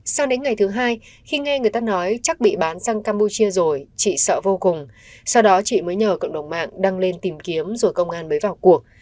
sang đến ngày thứ hai khi nghe người ta nói chắc bị bán sang campuchia rồi chị sợ vô cùng sau đó chị mới nhờ cộng đồng mạng đăng lên tìm kiếm rồi công an mới vào cuộc